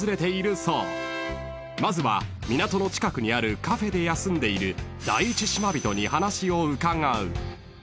［まずは港の近くにあるカフェで休んでいる第１島人に話を伺う］